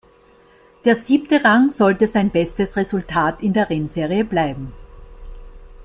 Der siebte Rang sollte sein bestes Resultat in dieser Rennserie bleiben.